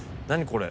これ。